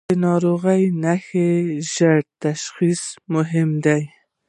د ناروغۍ نښې ژر تشخیص مهم دي.